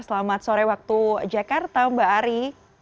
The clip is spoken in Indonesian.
selamat sore waktu jakarta mbak ari